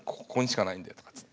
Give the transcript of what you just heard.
ここにしかないんで」とか。